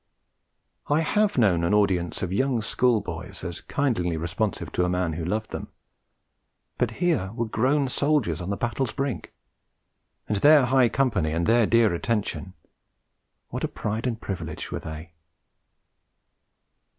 I have known an audience of young schoolboys as kindlingly responsive to a man who loved them; but here were grown soldiers on the battle's brink; and their high company, and their dear attention, what a pride and privilege were they!